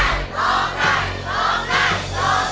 มูลค่าหนึ่งหมื่นบาทนะครับคุณมูซาร้องได้